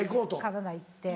カナダ行って。